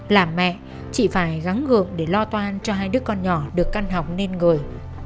làm mẹ chị phải gắn gượng để lo toan cho hai đứa con nhỏ được căn học nên người